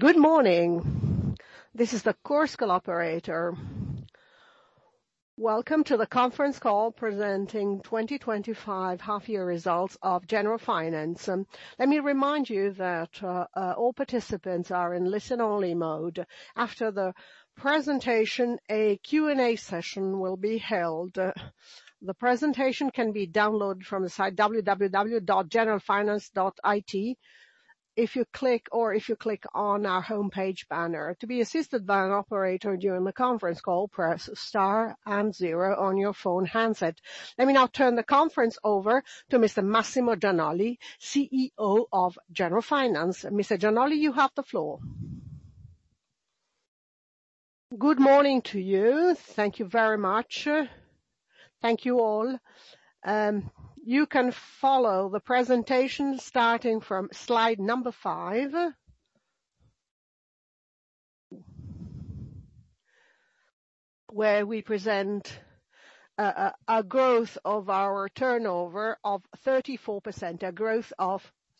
Good morning. This is the Chorus Call operator. Welcome to the conference call presenting 2025 half-year results of Generalfinance. Let me remind you that all participants are in listen-only mode. After the presentation, a Q&A session will be held. The presentation can be downloaded from the site www.generalfinance.it if you click on our homepage banner. To be assisted by an operator during the conference call, press star and zero on your phone handset. Let me now turn the conference over to Mr. Massimo Gianolli, CEO of Generalfinance. Mr. Gianolli, you have the floor. Good morning to you. Thank you very much. Thank you all. You can follow the presentation starting from slide number five, where we present a growth of our turnover of 34%.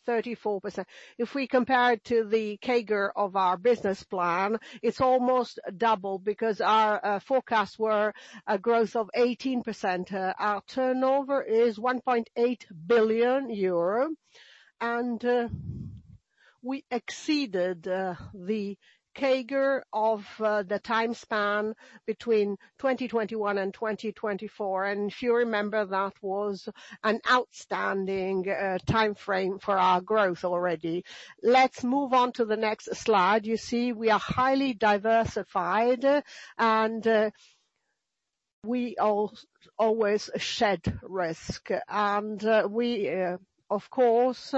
If we compare it to the CAGR of our business plan, it's almost double because our forecasts were a growth of 18%. Our turnover is 1.8 billion euro, and we exceeded the CAGR of the time span between 2021 and 2024. If you remember, that was an outstanding timeframe for our growth already. Let's move on to the next slide. You see we are highly diversified, and we always shed risk. We, of course,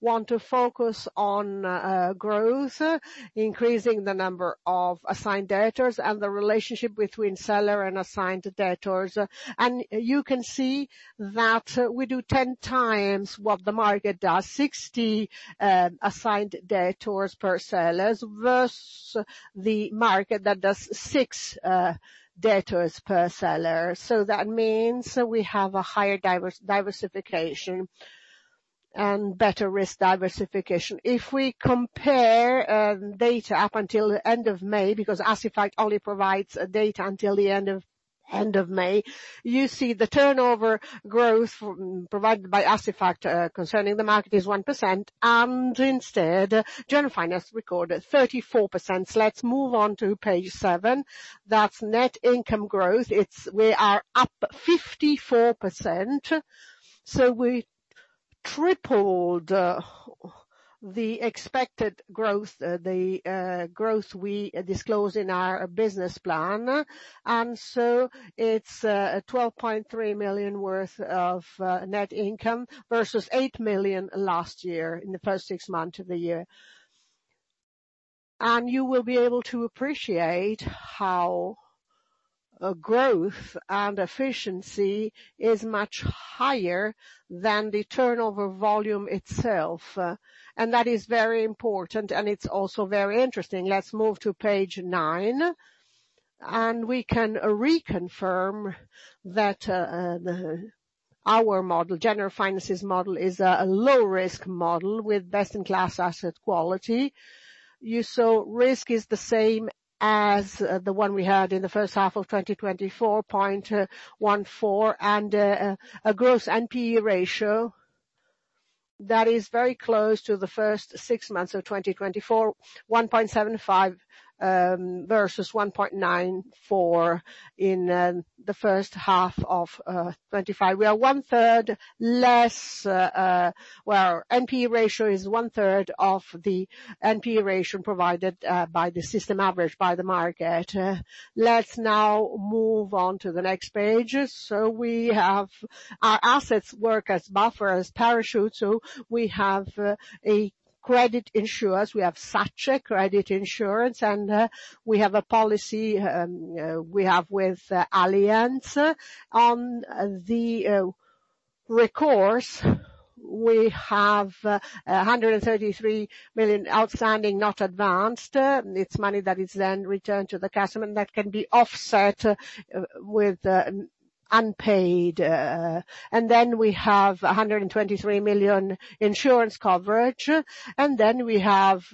want to focus on growth, increasing the number of assigned debtors, and the relationship between seller and assigned debtors. You can see that we do 10x what the market does, 60 assigned debtors per sellers versus the market that does six debtors per seller. That means we have a higher diversification and better risk diversification. If we compare data up until the end of May, because Assifact only provides data until the end of May, you see the turnover growth provided by Assifact concerning the market is 1%, and instead, Generalfinance recorded 34%. Let's move on to page seven. That's net income growth. We are up 54%, so we tripled the expected growth, the growth we disclosed in our business plan. It's 12.3 million worth of net income versus 8 million last year in the first six months of the year. You will be able to appreciate how growth and efficiency is much higher than the turnover volume itself. That is very important, and it's also very interesting. Let's move to page nine, and we can reconfirm that our model, Generalfinance's model, is a low-risk model with best-in-class asset quality. You saw risk is the same as the one we had in the first half of 2024, 0.14%, and a gross NPE ratio that is very close to the first six months of 2024, 1.75%, versus 1.94% in the first half of 2025. We are 1/3 less. Well, NPE ratio is 1/3 of the NPE ratio provided by the system average by the market. Let's now move on to the next page. Our assets work as buffers, as parachutes, so we have a credit insurance. We have SACE credit insurance, and we have a policy we have with Allianz. On the recourse, we have 133 million outstanding, not advanced. It's money that is then returned to the customer and that can be offset with unpaid. We have 123 million insurance coverage. We have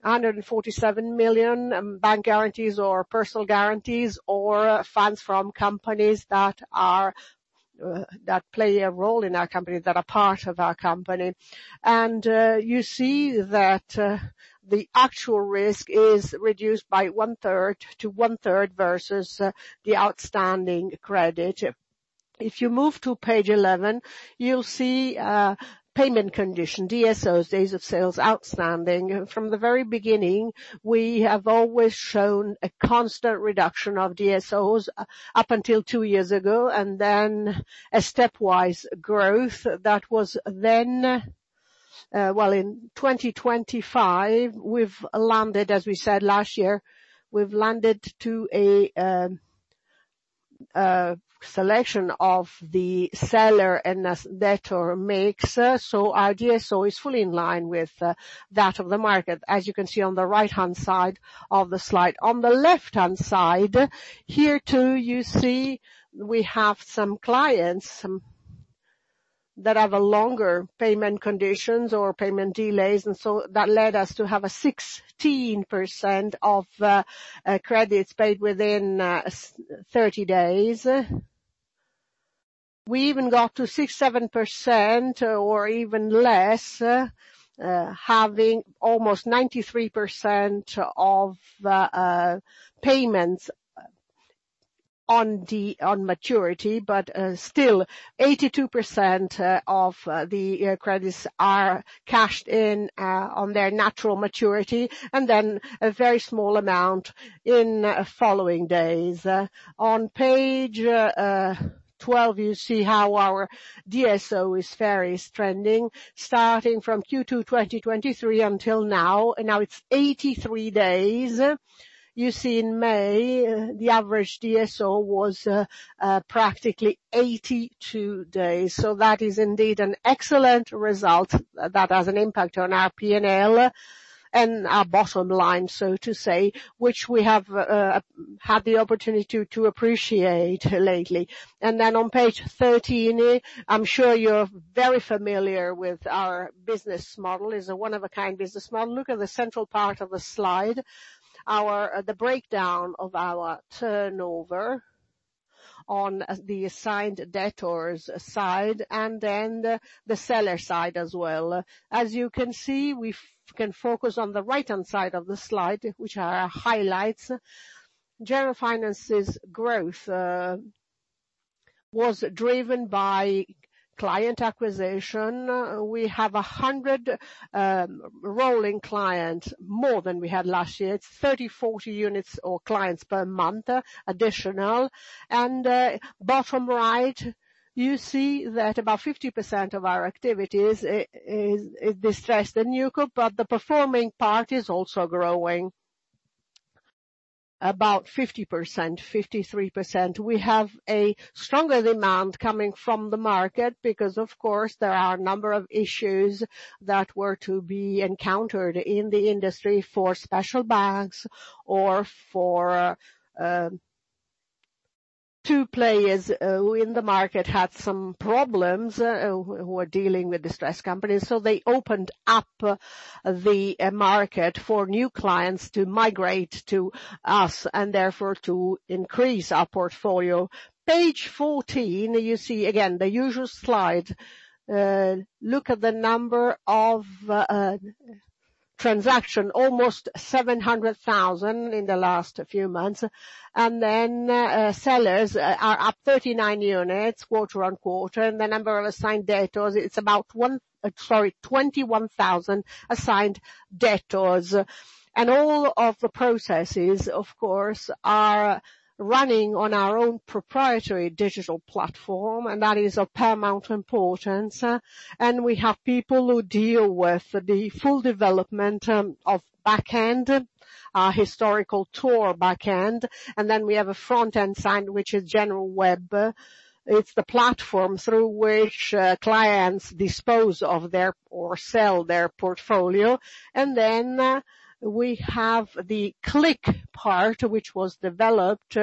147 million bank guarantees or personal guarantees, or funds from companies that play a role in our company, that are part of our company. You see that the actual risk is reduced by 1/3 to 1/3 versus the outstanding credit. If you move to page 11, you'll see payment condition, DSOs, days of sales outstanding. From the very beginning, we have always shown a constant reduction of DSOs up until two years ago, and then a stepwise growth. Well, in 2025, as we said last year, we've landed to a selection of the seller and debtor mix. Our DSO is fully in line with that of the market, as you can see on the right-hand side of the slide. On the left-hand side, here too, you see we have some clients, some that have a longer payment conditions or payment delays. That led us to have a 16% of credits paid within 30 days. We even got to 6%, 7%, or even less, having almost 93% of payments on maturity. Still, 82% of the credits are cashed in on their natural maturity, and then a very small amount in following days. On page 12, you see how our DSO is trending, starting from Q2 2023 until now, and now it's 83 days. You see in May, the average DSO was practically 82 days. That is indeed an excellent result that has an impact on our P&L and our bottom line, so to say, which we have had the opportunity to appreciate lately. On page 13, I'm sure you're very familiar with our business model. It's one-of-a-kind business model. Look at the central part of the slide, the breakdown of our turnover on the assigned debtors side and then the seller side as well. As you can see, we can focus on the right-hand side of the slide, which highlights Generalfinance's growth was driven by client acquisition. We have 100 rolling clients, more than we had last year. It's 30-40 units or clients per month additional. Bottom right, you see that about 50% of our activities is distressed and new, but the performing part is also growing about 50%-53%. We have a stronger demand coming from the market because, of course, there are a number of issues that were to be encountered in the industry for special banks or for two players who in the market had some problems, who are dealing with distressed companies. They opened up the market for new clients to migrate to us, and therefore to increase our portfolio. Page 14, you see again the usual slide. Look at the number of transaction, almost 700,000 in the last few months. Sellers are up 39 units quarter-on-quarter. The number of assigned debtors, it's about 21,000 assigned debtors. All of the processes, of course, are running on our own proprietary digital platform, and that is of paramount importance. We have people who deal with the full development of back-end, our historical TOR back-end. We have a front-end side, which is GeneralWeb. It's the platform through which clients dispose of their or sell their portfolio. We have the click part, which was developed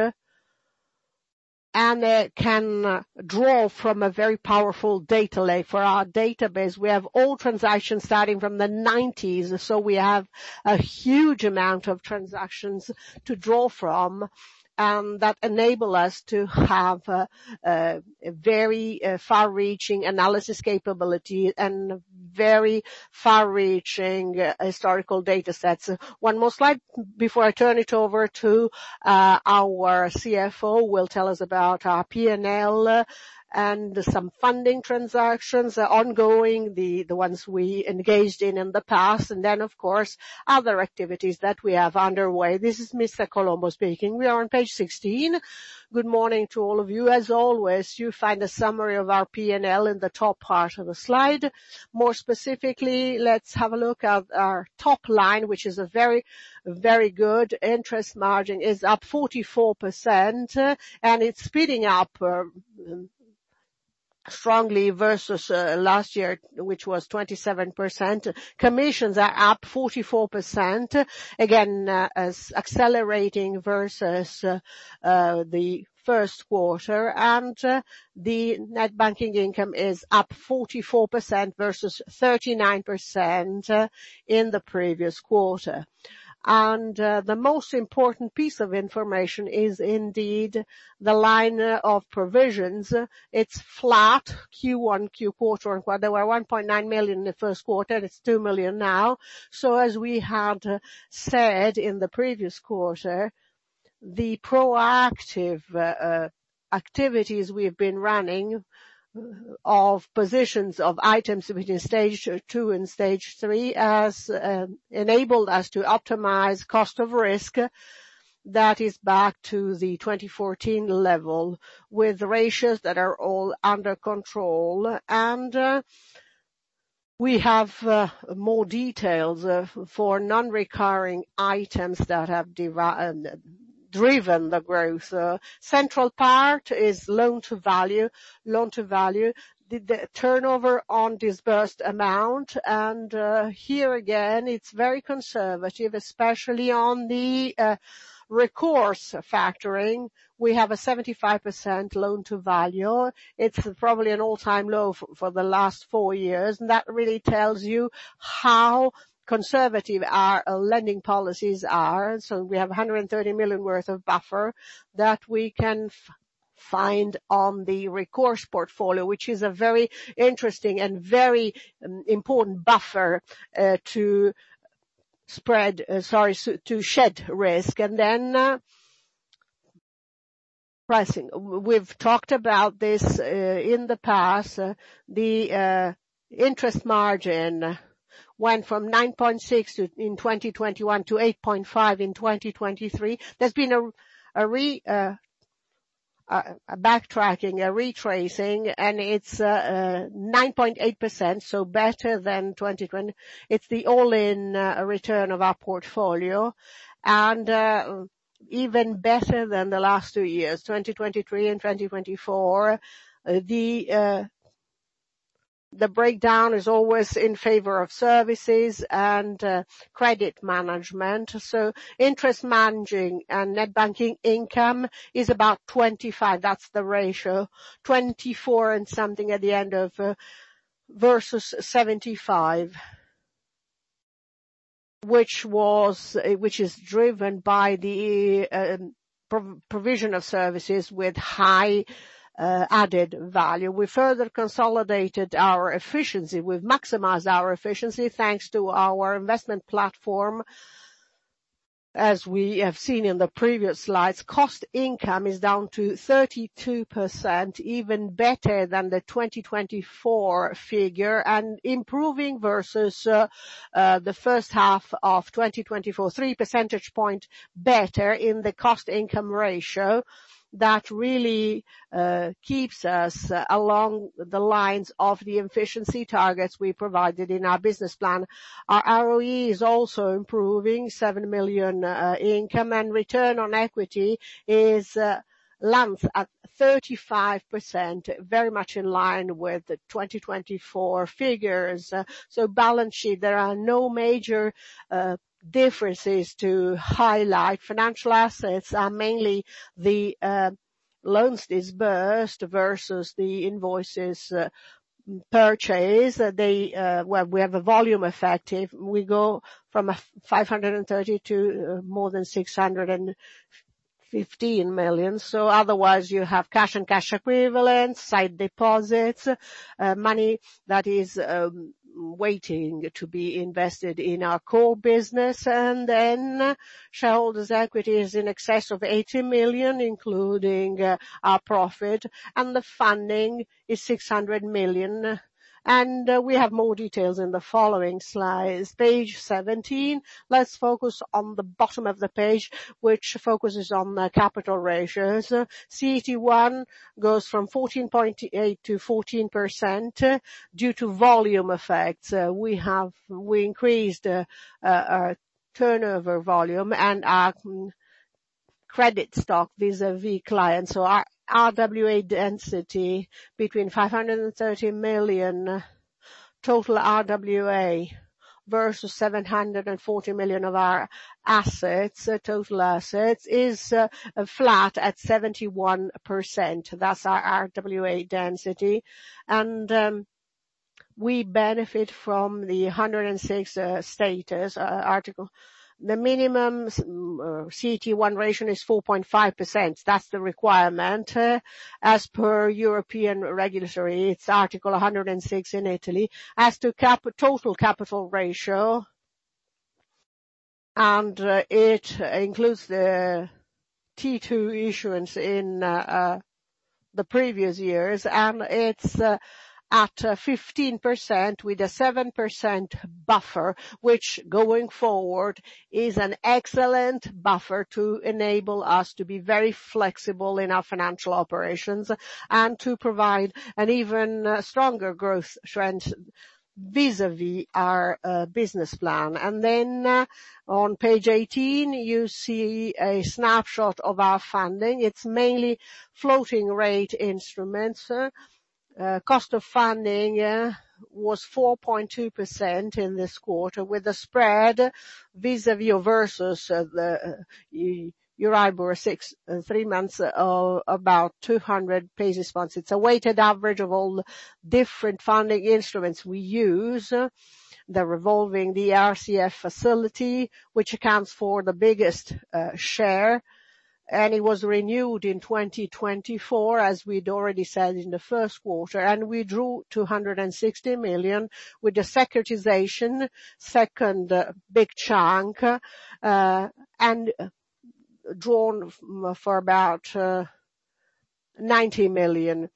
and can draw from a very powerful data lake for our database. We have all transactions starting from the 1990s, so we have a huge amount of transactions to draw from, and that enable us to have very far-reaching analysis capability and very far-reaching historical data sets. One more slide, before I turn it over to our CFO, will tell us about our P&L and some funding transactions ongoing, the ones we engaged in in the past, and then, of course, other activities that we have underway. This is Ugo Colombo speaking. We are on page 16. Good morning to all of you. As always, you find a summary of our P&L in the top part of the slide. More specifically, let's have a look at our top line, which is very good. Interest margin is up 44%, and it's speeding up strongly versus last year, which was 27%. Commissions are up 44%, again, as accelerating versus the first quarter. The net banking income is up 44% versus 39% in the previous quarter. The most important piece of information is indeed the line of provisions. It's flat Q1, Q4. There were 1.9 million in the first quarter, and it's 2 million now. As we had said in the previous quarter, the proactive activities we have been running of positions of items between Stage 2 and Stage 3 has enabled us to optimize cost of risk that is back to the 2014 level, with ratios that are all under control. We have more details for non-recurring items that have driven the growth. Central part is loan-to-value. The turnover on disbursed amount, and here again, it's very conservative, especially on the recourse factoring. We have a 75% loan-to-value. It's probably an all-time low for the last four years, and that really tells you how conservative our lending policies are. We have 130 million worth of buffer that we can find on the recourse portfolio, which is a very interesting and very important buffer to shed risk. Pricing, we've talked about this in the past. The interest margin went from 9.6% in 2021 to 8.5% in 2023. There's been a backtracking, a retracing, and it's 9.8%, so better than 2020. It's the all-in return of our portfolio, and even better than the last two years, 2023 and 2024. The breakdown is always in favor of services and credit management. Interest managing and net banking income is about 25%. That's the ratio. 24% and something at the end of versus 75%, which is driven by the provision of services with high added value. We further consolidated our efficiency. We've maximized our efficiency thanks to our investment platform. As we have seen in the previous slides, cost income is down to 32%, even better than the 2024 figure, and improving versus the first half of 2024. Three percentage point better in the cost-income ratio. That really keeps us along the lines of the efficiency targets we provided in our business plan. Our ROE is also improving, 7 million income, and return on equity is lumped at 35%, very much in line with the 2024 figures. Balance sheet, there are no major differences to highlight. Financial assets are mainly the loans disbursed versus the invoices purchased. We have a volume effect. We go from 530 million-more than 615 million. Otherwise, you have cash and cash equivalents, sight deposits, money that is waiting to be invested in our core business. Shareholders' equity is in excess of 80 million, including our profit. The funding is 600 million. We have more details in the following slides. Page 17, let's focus on the bottom of the page, which focuses on the capital ratios. CET1 goes from 14.8%-14% due to volume effects. We increased our turnover volume and our credit stock vis-à-vis clients. Our RWA density between 530 million total RWA versus 740 million of our assets, total assets, is flat at 71%. That's our RWA density. We benefit from the Article 106 status. The minimum CET1 ratio is 4.5%. That's the requirement as per European regulatory. It's Article 106 in Italy. As to total capital ratio, it includes the T2 issuance in the previous years. It's at 15% with a 7% buffer, which going forward is an excellent buffer to enable us to be very flexible in our financial operations and to provide an even stronger growth trend vis-à-vis our business plan. On page 18, you see a snapshot of our funding. It's mainly floating rate instruments. Cost of funding was 4.2% in this quarter with a spread vis-à-vis versus the Euribor six, three months of about 200 basis points. It's a weighted average of all different funding instruments we use. The revolving, the RCF facility, which accounts for the biggest share, and it was renewed in 2024, as we'd already said in the first quarter. We drew 260 million with the securitization, second big chunk, and drawn for about 90 million.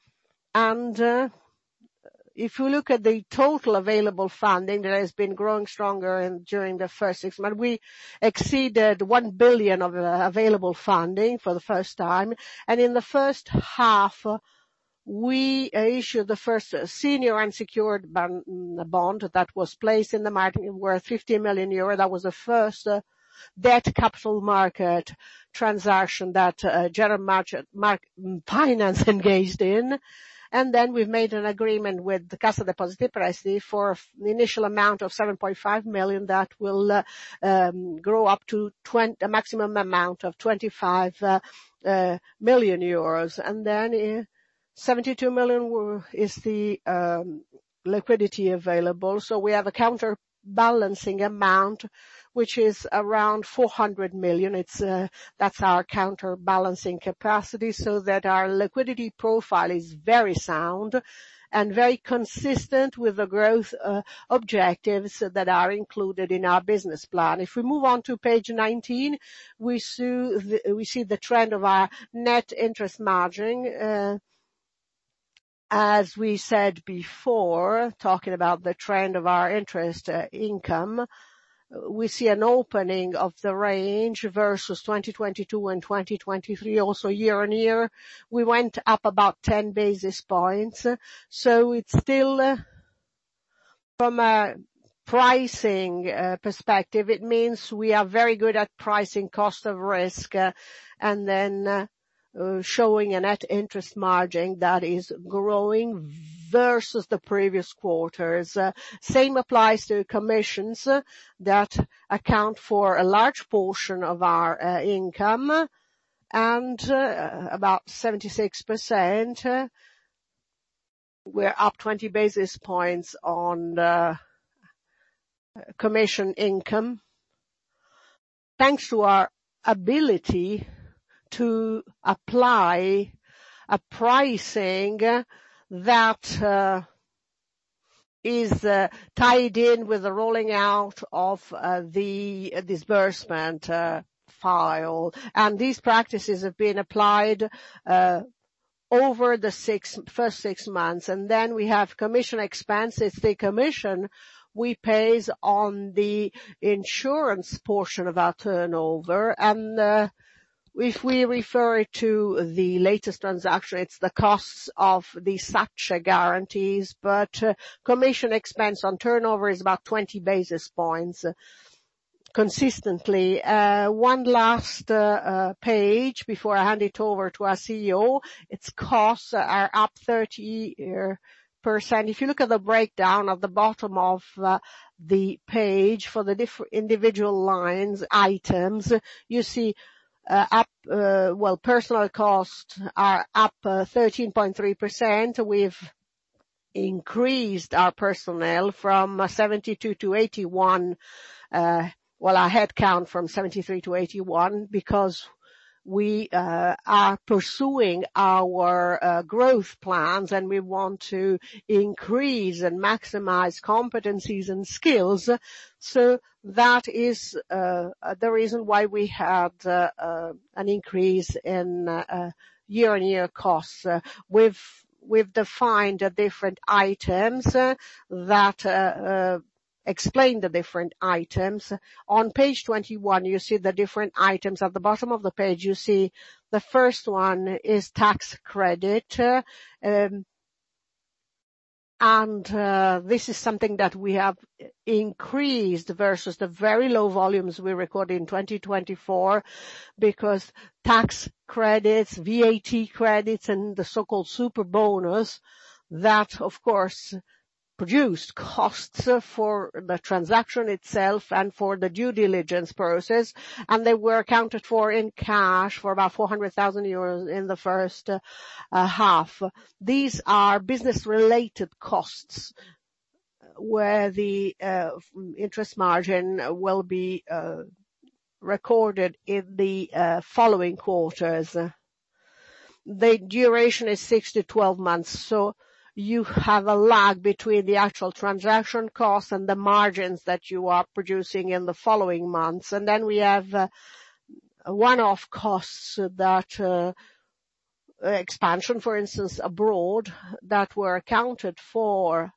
If you look at the total available funding that has been growing stronger during the first six months, we exceeded 1 billion of available funding for the first time. In the first half, we issued the first senior unsecured bond that was placed in the market worth 50 million euro. That was the first debt capital market transaction that Generalfinance engaged in. We made an agreement with the Cassa Depositi e Prestiti for the initial amount of 7.5 million that will grow up to a maximum amount of 25 million euros. 72 million is the liquidity available. We have a counterbalancing amount which is around 400 million. That's our counterbalancing capacity, so that our liquidity profile is very sound and very consistent with the growth objectives that are included in our business plan. If we move on to page 19, we see the trend of our net interest margin. As we said before, talking about the trend of our interest income, we see an opening of the range versus 2022 and 2023. Also year-on-year, we went up about 10 basis points. It's still from a pricing perspective. It means we are very good at pricing cost of risk and then showing a net interest margin that is growing versus the previous quarters. Same applies to commissions that account for a large portion of our income, and about 76%. We're up 20 basis points on commission income thanks to our ability to apply a pricing that is tied in with the rolling out of the disbursement file. These practices have been applied over the first six months. We have commission expenses, the commission we pay on the insurance portion of our turnover. If we refer to the latest transaction, it's the costs of the SACE guarantees, but commission expense on turnover is about 20 basis points consistently. One last page before I hand it over to our CEO. Its costs are up 30%. If you look at the breakdown at the bottom of the page for the individual line items, you see personnel costs are up 13.3%. We've increased our personnel from 72 to 81. Well, our head count from 73 to 81, because we are pursuing our growth plans, and we want to increase and maximize competencies and skills. That is the reason why we had an increase in year-on-year costs. We've defined the different items that explain the different items. On page 21, you see the different items. At the bottom of the page you see the first one is tax credit. This is something that we have increased versus the very low volumes we recorded in 2024 because tax credits, VAT credits and the so-called Superbonus, that of course produced costs for the transaction itself and for the due diligence process, and they were accounted for in cash for about 400,000 euros in the first half. These are business-related costs, where the interest margin will be recorded in the following quarters. The duration is six-12 months. You have a lag between the actual transaction costs and the margins that you are producing in the following months. We have one-off costs that expansion, for instance, abroad, that were accounted for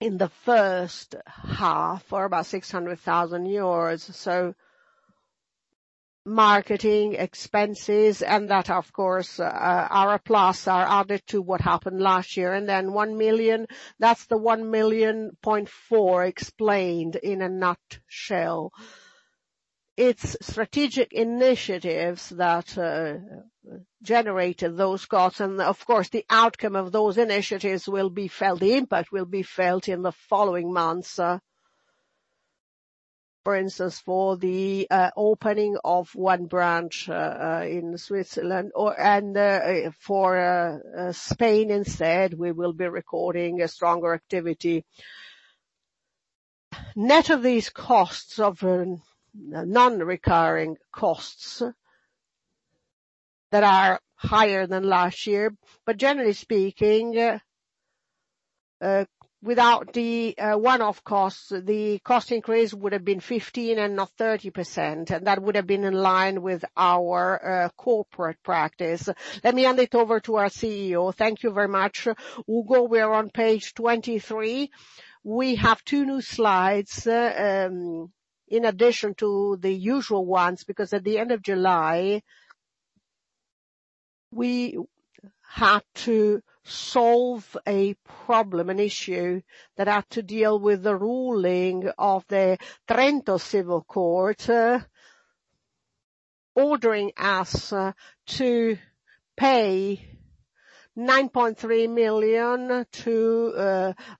in the first half for about 600,000 euros. Marketing expenses and that of course, are a plus, are added to what happened last year. 1 million, that's the 1.4 million explained in a nutshell. It's strategic initiatives that generated those costs. Of course, the outcome of those initiatives will be felt, the impact will be felt in the following months. For instance, for the opening of one branch in Switzerland or and for Spain instead, we will be recording a stronger activity. Net of these non-recurring costs that are higher than last year, but generally speaking, without the one-off costs, the cost increase would have been 15% and not 30%, and that would have been in line with our corporate practice. Let me hand it over to our CEO. Thank you very much. Ugo, we are on page 23. We have two new slides in addition to the usual ones because at the end of July, we had to solve a problem, an issue that had to deal with the ruling of the Court of Trento, ordering us to pay 9.3 million to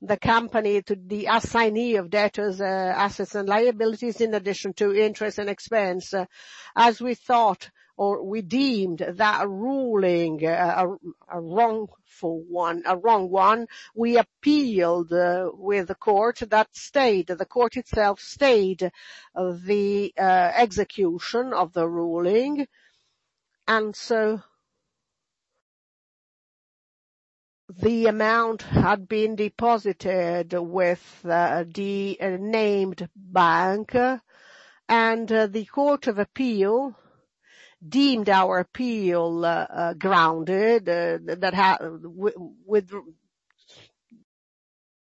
the company, to the assignee of debtors' assets and liabilities, in addition to interest and expense. As we thought, or we deemed that ruling a wrongful one, a wrong one, we appealed with the court. The Court itself stayed the execution of the ruling, and so the amount had been deposited with the named bank. The Court of Appeal deemed our appeal grounded,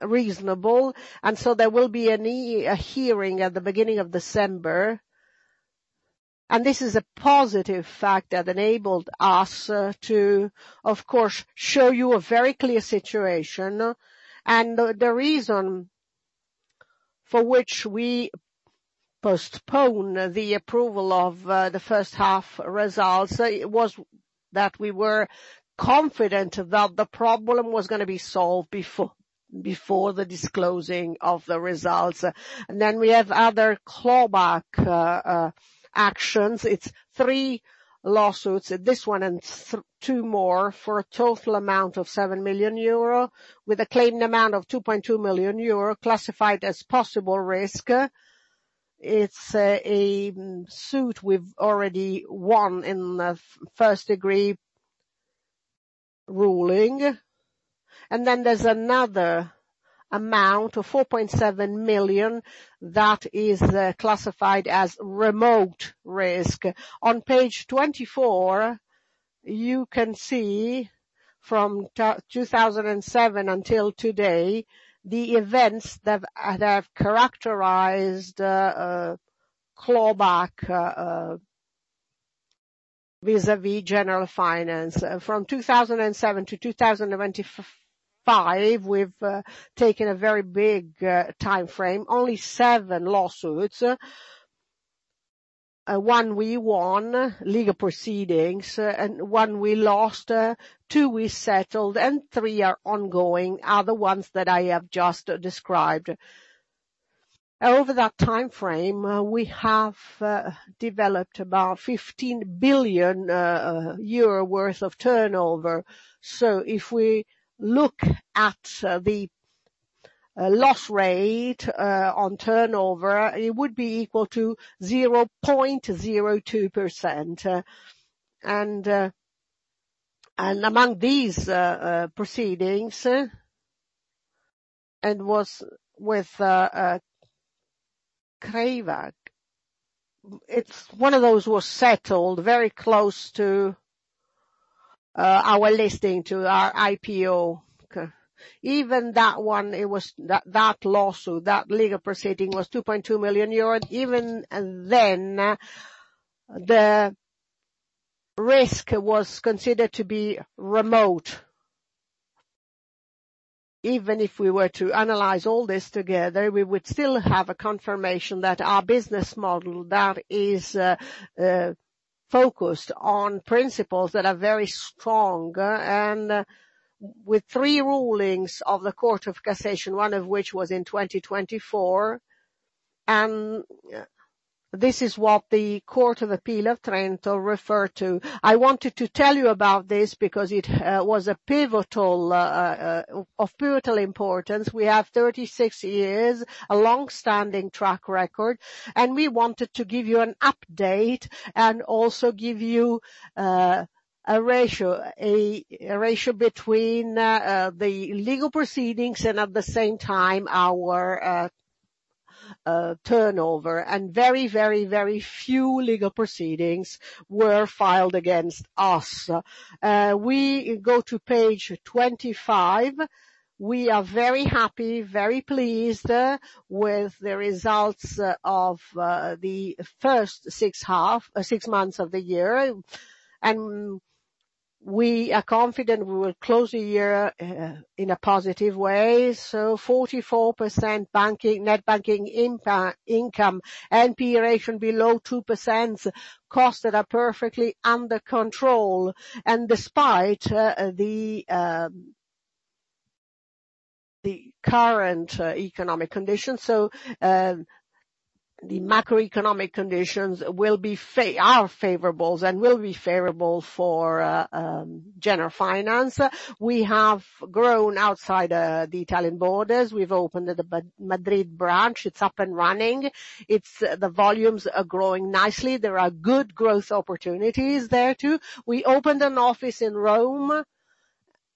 reasonable, and so there will be a hearing at the beginning of December. This is a positive fact that enabled us to, of course, show you a very clear situation. The reason for which we postpone the approval of the first half results, it was that we were confident that the problem was going to be solved before the disclosing of the results. We have other clawback actions. It's three lawsuits, this one and two more, for a total amount of 7 million euro, with a claimed amount of 2.2 million euro classified as possible risk. It's a suit we've already won in the first-degree ruling. There's another amount of 4.7 million that is classified as remote risk. On page 24, you can see from 2007 until today, the events that have characterized clawback vis-à-vis Generalfinance. From 2007-2025, we've taken a very big timeframe. Only seven lawsuits. One we won, legal proceedings, and one we lost, two we settled, and three are ongoing, are the ones that I have just described. Over that timeframe, we have developed about 15 billion euro worth of turnover. If we look at the loss rate on turnover, it would be equal to 0.02%. Among these proceedings, and was with Crevit. One of those was settled very close to our IPO. Even that legal proceeding was 2.2 million euros. Even then, the risk was considered to be remote. Even if we were to analyze all this together, we would still have a confirmation that our business model that is focused on principles that are very strong. With three rulings of the Court of Cassation, one of which was in 2024, and this is what the Court of Appeal of Trento referred to. I wanted to tell you about this because it was of pivotal importance. We have 36 years, a long-standing track record, and we wanted to give you an update and also give you a ratio between the legal proceedings and at the same time our turnover. Very few legal proceedings were filed against us. We go to page 25. We are very happy, very pleased with the results of the first six months of the year. We are confident we will close the year in a positive way. 44% net banking income, NPE below 2%, costs that are perfectly under control, and despite the current economic conditions. The macroeconomic conditions are favorable and will be favorable for Generalfinance. We have grown outside the Italian borders. We've opened the Madrid branch. It's up and running. The volumes are growing nicely. There are good growth opportunities there too. We opened an office in Rome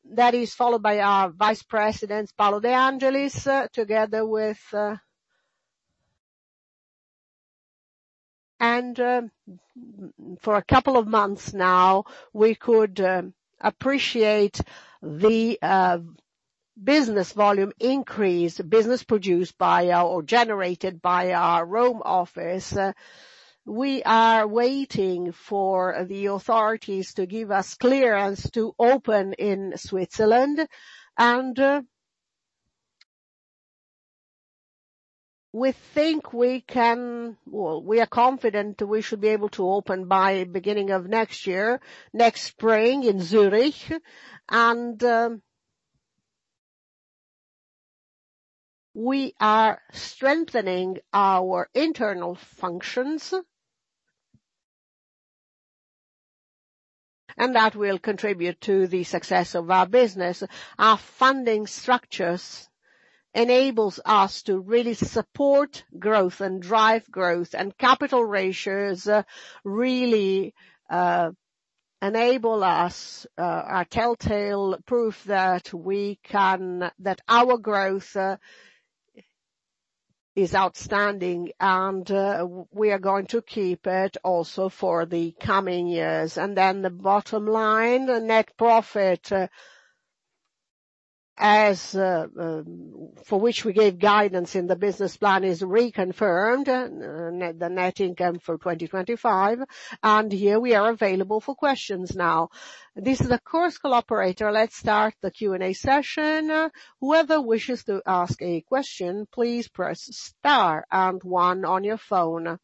that is followed by our Vice President, Paolo De Angelis. For a couple of months now, we could appreciate the business volume increase, business produced by or generated by our Rome office. We are waiting for the authorities to give us clearance to open in Switzerland, and we are confident we should be able to open by beginning of next year, next spring in Zurich. We are strengthening our internal functions, and that will contribute to the success of our business. Our funding structures enables us to really support growth and drive growth, and capital ratios really enable us, are tell-tale proof that our growth is outstanding, and we are going to keep it also for the coming years. The bottom line, the net profit, for which we gave guidance in the business plan, is reconfirmed, the net income for 2025. Here we are available for questions now. This is a Chorus call Operator. Let's start the Q&A session. Whoever wishes to ask a question, please press star and one on your phone.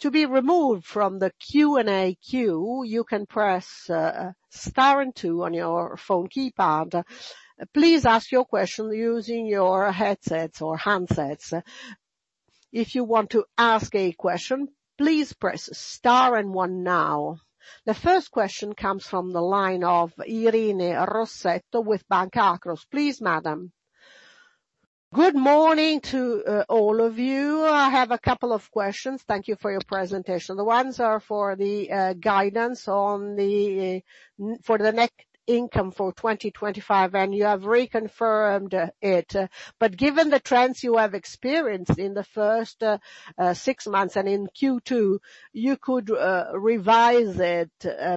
To be removed from the Q&A queue, you can press star and two on your phone keypad. Please ask your question using your headsets or handsets. If you want to ask a question, please press star and one now. The first question comes from the line of Irene Rossetto with Banca Akros. Please, madam. Good morning to all of you. I have a couple of questions. Thank you for your presentation. The ones are for the guidance for the net income for 2025, and you have reconfirmed it. Given the trends you have experienced in the first six months and in Q2, you could revise it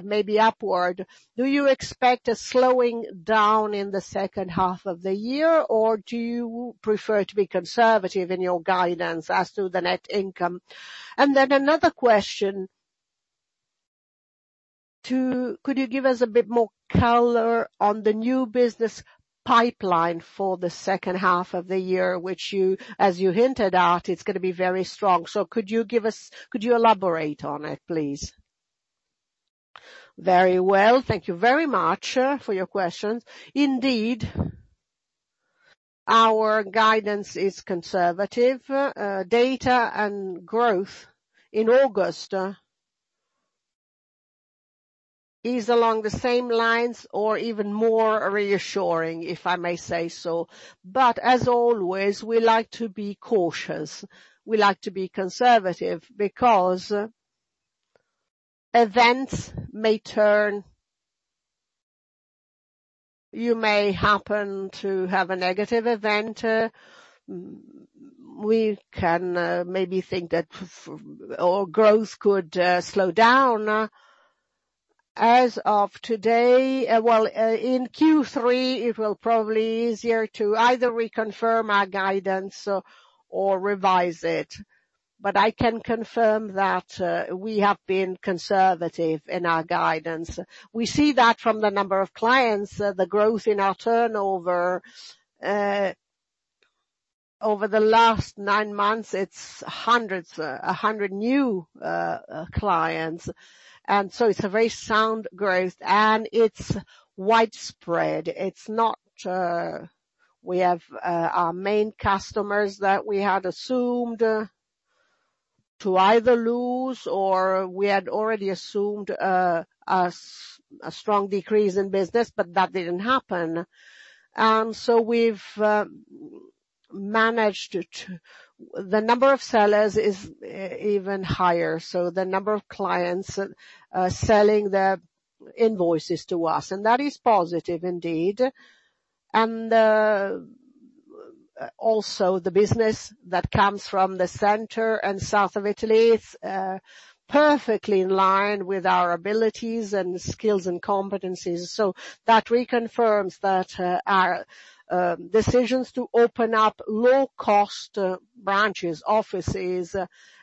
maybe upward. Do you expect a slowing down in the second half of the year, or do you prefer to be conservative in your guidance as to the net income? Another question, could you give us a bit more color on the new business pipeline for the second half of the year, which as you hinted at, it's going to be very strong. Could you elaborate on it, please? Very well. Thank you very much for your questions. Indeed, our guidance is conservative. Data and growth in August is along the same lines or even more reassuring, if I may say so. As always, we like to be cautious. We like to be conservative because events may turn, you may happen to have a negative event. We can maybe think that our growth could slow down. As of today, well, in Q3, it will probably easier to either reconfirm our guidance or revise it. I can confirm that we have been conservative in our guidance. We see that from the number of clients, the growth in our turnover. Over the last nine months, it's hundreds, 100 new clients. It's a very sound growth, and it's widespread. It's not we have our main customers that we had assumed to either lose or we had already assumed a strong decrease in business, but that didn't happen. The number of sellers is even higher, so the number of clients selling their invoices to us. That is positive indeed. The business that comes from the center and south of Italy, it's perfectly in line with our abilities and skills and competencies. That reconfirms that our decisions to open up low-cost branches, offices.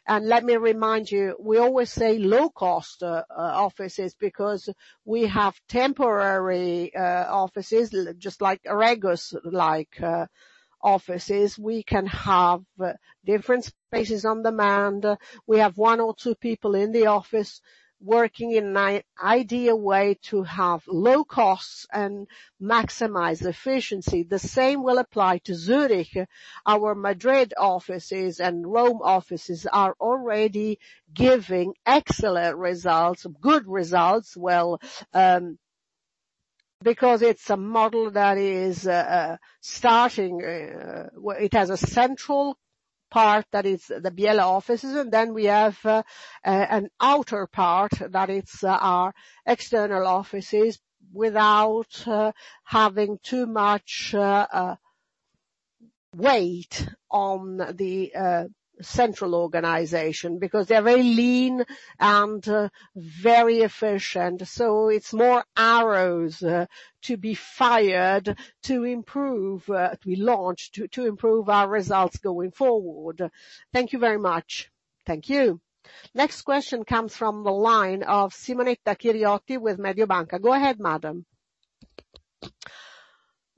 Let me remind you, we always say low-cost offices because we have temporary offices, just like Regus-like offices. We can have different spaces on demand. We have one or two people in the office working in an ideal way to have low costs and maximize efficiency. The same will apply to Zurich. Our Madrid offices and Rome offices are already giving excellent results, good results. Well, because it's a model that is starting. It has a central part that is the Biella offices, and then we have an outer part that is our external offices, without having too much weight on the central organization, because they're very lean and very efficient. It's more arrows to be fired to improve, to be launched, to improve our results going forward. Thank you very much. Thank you. Next question comes from the line of Simonetta Chiriotti with Mediobanca. Go ahead, madam.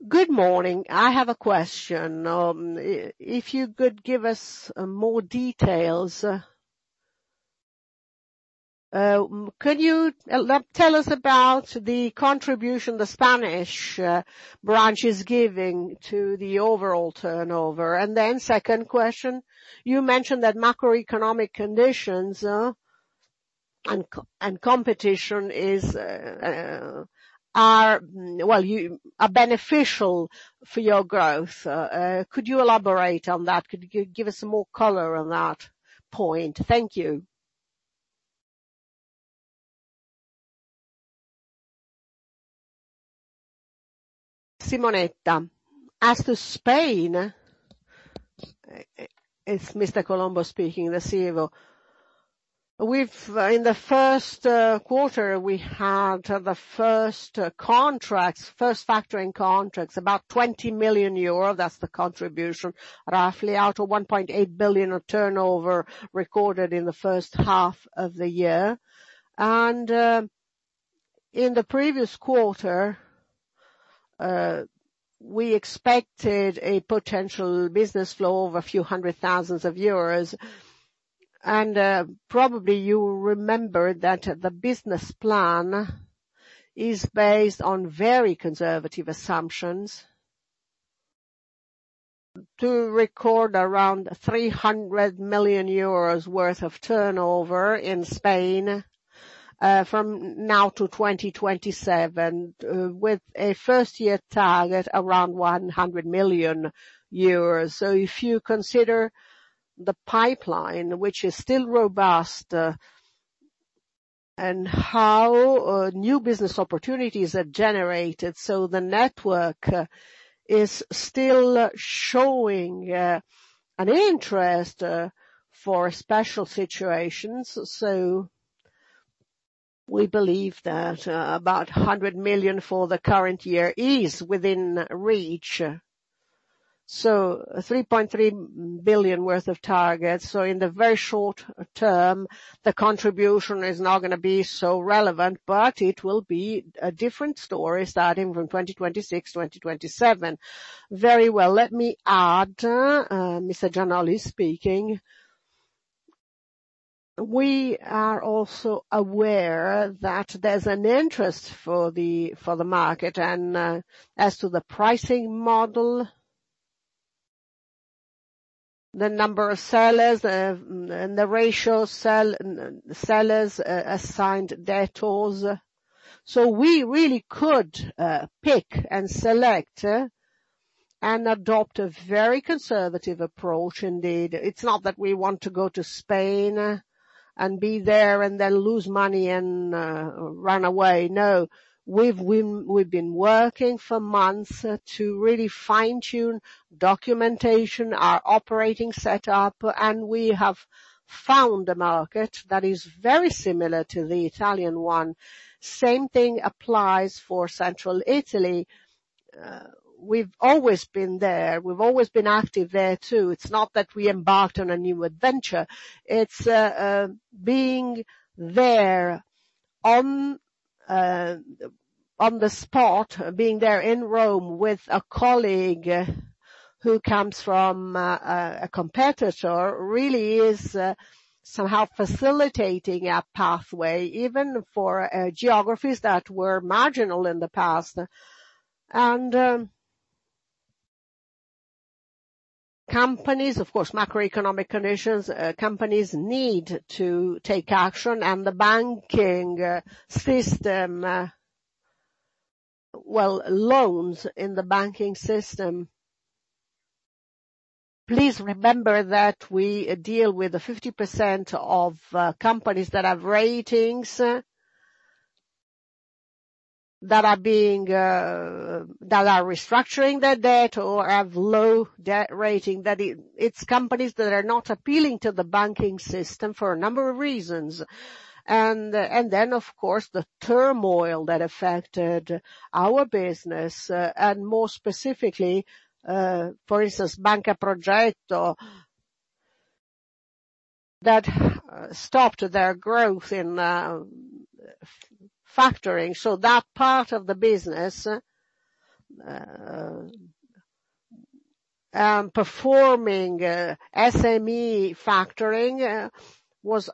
Good morning. I have a question. If you could give us more details, could you tell us about the contribution the Spanish branch is giving to the overall turnover? Second question, you mentioned that macroeconomic conditions and competition are beneficial for your growth. Could you elaborate on that? Could you give us more color on that point? Thank you. Simonetta, as to Spain, it's Mr. Colombo speaking, the CFO. In the first quarter, we had the first factoring contracts, about 20 million euro. That's the contribution, roughly, out of 1.8 billion of turnover recorded in the first half of the year. In the previous quarter, we expected a potential business flow of a few hundred thousands of euros. Probably you remember that the business plan is based on very conservative assumptions to record around 300 million euros worth of turnover in Spain from now to 2027, with a first-year target around 100 million euros. If you consider the pipeline, which is still robust, and how new business opportunities are generated, so the network is still showing an interest for special situations. We believe that about 100 million for the current year is within reach. 3.3 billion worth of targets. In the very short term, the contribution is not going to be so relevant, but it will be a different story starting from 2026, 2027. Very well. Let me add, Mr. Gianolli speaking. We are also aware that there's an interest for the market, and as to the pricing model, the number of sellers, and the ratio sellers assigned debtors, we really could pick and select, and adopt a very conservative approach indeed. It's not that we want to go to Spain and be there and then lose money and run away. No. We've been working for months to really fine-tune documentation, our operating setup, and we have found a market that is very similar to the Italian one. Same thing applies for central Italy. We've always been there. We've always been active there, too. It's not that we embarked on a new adventure. It's being there on the spot, being there in Rome with a colleague who comes from a competitor, really is somehow facilitating a pathway, even for geographies that were marginal in the past. Companies, of course, macroeconomic conditions, companies need to take action, and the banking system, well, loans in the banking system. Please remember that we deal with the 50% of companies that have ratings, that are restructuring their debt or have low debt rating, that it's companies that are not appealing to the banking system for a number of reasons. Of course, the turmoil that affected our business, and more specifically, for instance, Banca Progetto, that stopped their growth in factoring. That part of the business, performing SME factoring, was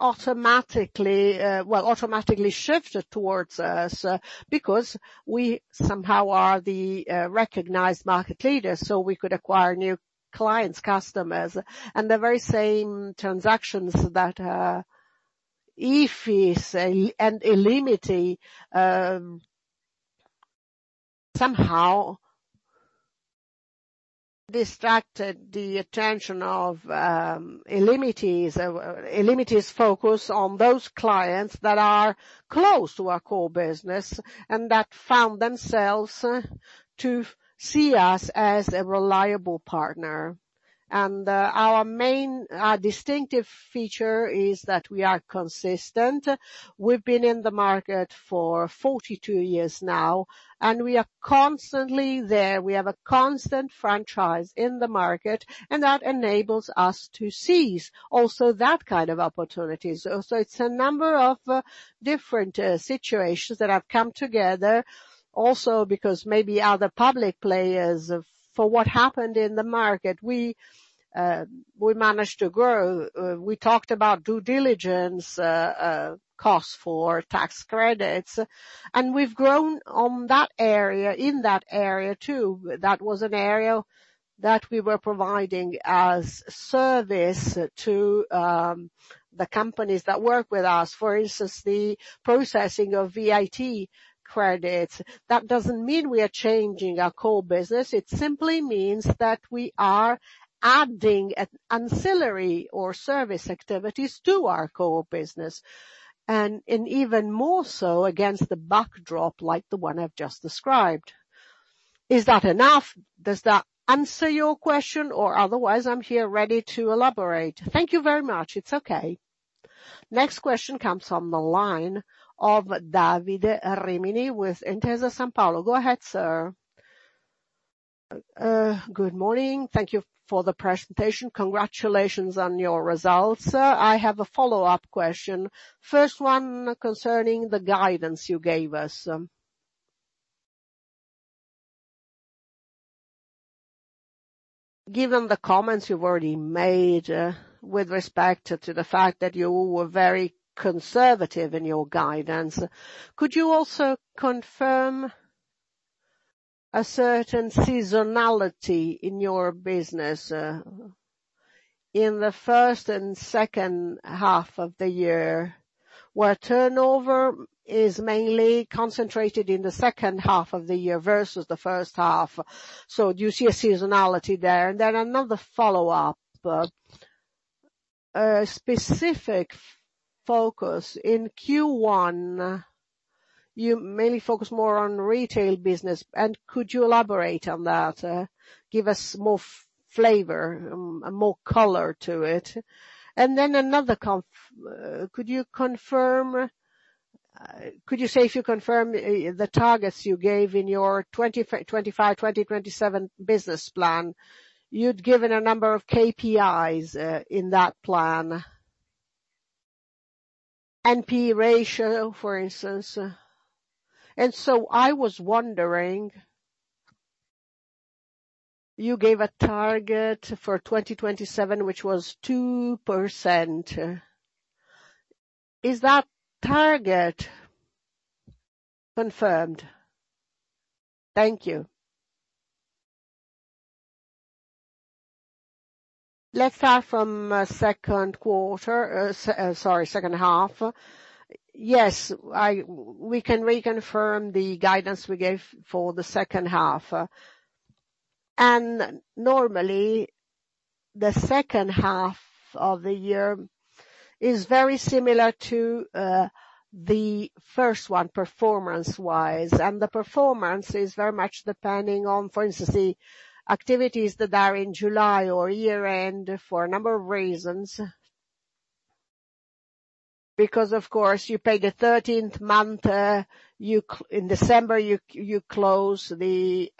automatically shifted towards us, because we somehow are the recognized market leader, so we could acquire new clients, customers. The very same transactions that Ifis and Illimity somehow distracted the attention of Illimity's focus on those clients that are close to our core business, and that found themselves to see us as a reliable partner. Our distinctive feature is that we are consistent. We've been in the market for 42 years now, and we are constantly there. We have a constant franchise in the market, and that enables us to seize also that kind of opportunities. It's a number of different situations that have come together, also because maybe other public players, for what happened in the market, we managed to grow. We talked about due diligence, costs for tax credits, and we've grown in that area too. That was an area that we were providing as service to the companies that work with us, for instance, the processing of VAT credits. That doesn't mean we are changing our core business. It simply means that we are adding ancillary or service activities to our core business, even more so against the backdrop like the one I've just described. Is that enough? Does that answer your question? Otherwise, I'm here ready to elaborate. Thank you very much. It's okay. Next question comes from the line of Davide Rimini with Intesa Sanpaolo. Go ahead, sir. Good morning. Thank you for the presentation. Congratulations on your results. I have a follow-up question. First one concerning the guidance you gave us. Given the comments you've already made with respect to the fact that you were very conservative in your guidance, could you also confirm a certain seasonality in your business in the first and second half of the year? Where turnover is mainly concentrated in the second half of the year versus the first half, do you see a seasonality there? Another follow-up. A specific focus in Q1, you mainly focus more on retail business. Could you elaborate on that? Give us more flavor, more color to it. Another, could you say if you confirm the targets you gave in your 2025-2027 business plan, you'd given a number of KPIs in that plan, NPE ratio, for instance. I was wondering, you gave a target for 2027, which was 2%. Is that target confirmed? Thank you. Let's start from second half. Yes, we can reconfirm the guidance we gave for the second half. Normally the second half of the year is very similar to the first one performance-wise. The performance is very much depending on, for instance, the activities that are in July or year-end for a number of reasons, because of course, you pay the 13th month, in December you close the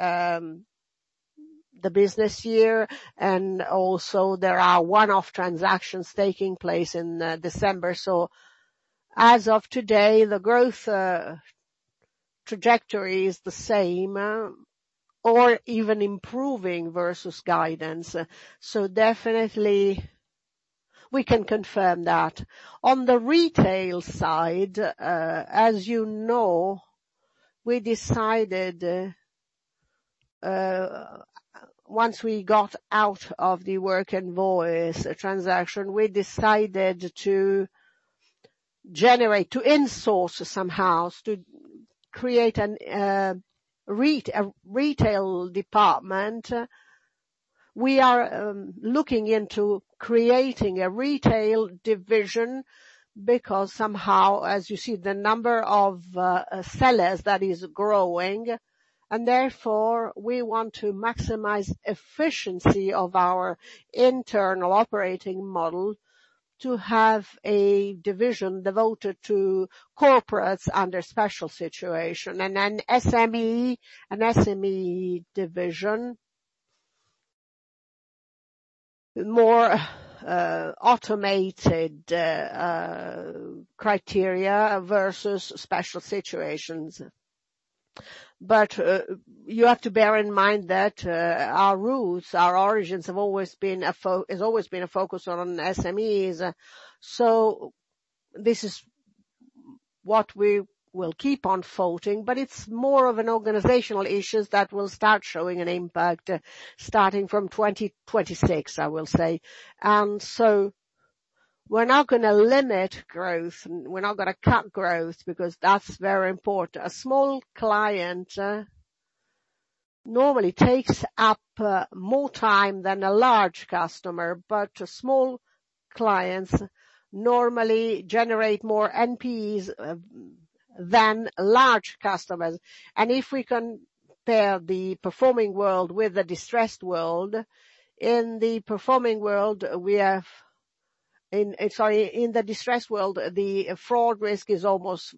business year, and also there are one-off transactions taking place in December. As of today, the growth trajectory is the same or even improving versus guidance. Definitely we can confirm that. On the retail side, as you know, we decided, once we got out of the Workinvoice transaction, we decided to generate, to insource somehow, to create a retail department. We are looking into creating a retail division because somehow, as you see, the number of sellers that is growing, and therefore we want to maximize efficiency of our internal operating model to have a division devoted to corporates under special situation. An SME division, more automated criteria versus special situations. You have to bear in mind that our roots, our origins has always been a focus on SMEs. This is what we will keep on voting, but it's more of an organizational issues that will start showing an impact starting from 2026, I will say. We're not going to limit growth, we're not going to cut growth because that's very important. A small client normally takes up more time than a large customer, but small clients normally generate more NPEs than large customers. If we compare the performing world with the distressed world, in the distressed world, the fraud risk is almost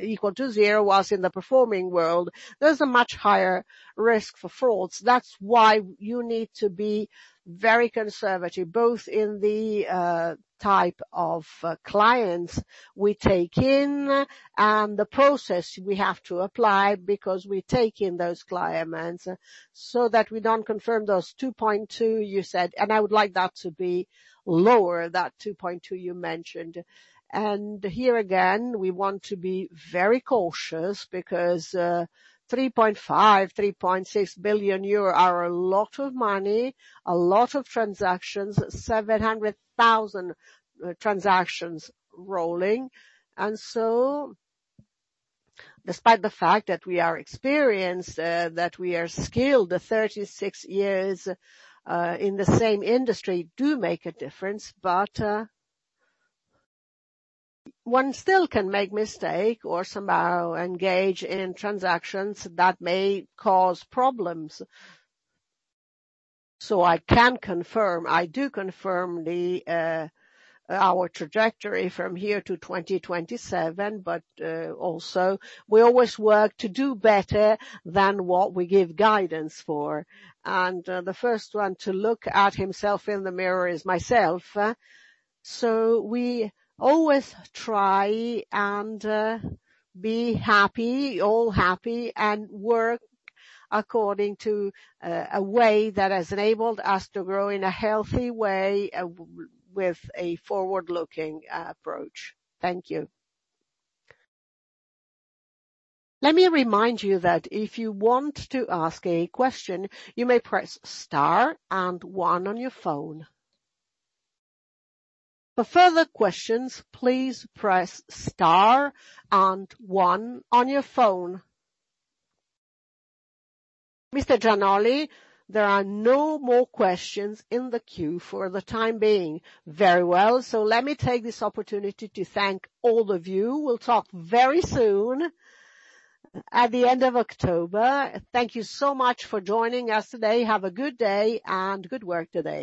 equal to zero, whilst in the performing world, there's a much higher risk for frauds. That's why you need to be very conservative, both in the type of clients we take in and the process we have to apply, because we take in those clients so that we don't confirm those 2.2% you said, and I would like that to be lower, that 2.2% you mentioned. Here again, we want to be very cautious because 3.5 billion-3.6 billion euro is a lot of money, a lot of transactions, 700,000 transactions rolling. Despite the fact that we are experienced, that we are skilled, the 36 years in the same industry do make a difference. One still can make mistake or somehow engage in transactions that may cause problems. I can confirm, I do confirm our trajectory from here to 2027, but also we always work to do better than what we give guidance for. The first one to look at himself in the mirror is myself. We always try and be all happy and work according to a way that has enabled us to grow in a healthy way with a forward-looking approach. Thank you. Let me remind you that if you want to ask a question, you may press star and one on your phone. For further questions, please press star and one on your phone. Mr. Gianolli, there are no more questions in the queue for the time being. Very well. Let me take this opportunity to thank all of you. We'll talk very soon, at the end of October. Thank you so much for joining us today. Have a good day and good work today.